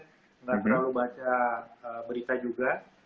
tidak terlalu baca berita juga